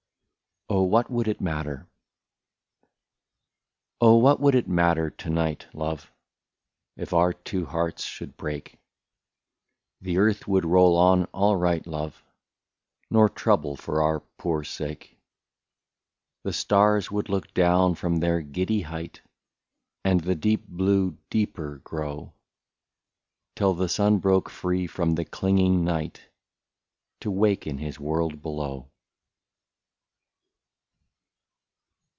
132 OH ! WHAT WOULD IT MATTER ? Oh ! what would it matter to night, love, If our two hearts should break, — The earth would roll on all right, love, Nor trouble for our poor sake ; The stars would look down from their giddy height. And the deep blue deeper grow. Till the sun broke free from the clinging night. To waken his world below.